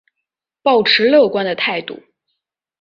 抱持乐观的态度